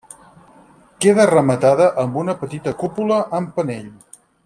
Queda rematada amb una petita cúpula amb penell.